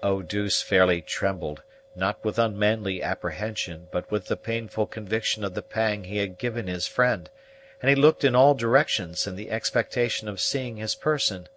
Eau douce fairly trembled, not with unmanly apprehension, but with the painful conviction of the pang he had given his friend; and he looked in all directions in the expectation of seeing his person.